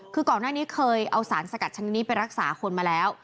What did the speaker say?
คือก่อนหน้านี้เคยเอาสารสกัดชนิดนี้ไปรักษาคนมาแล้ว